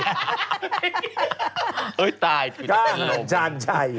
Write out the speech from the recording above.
เฮ้ยตายก็อาจารย์ใช่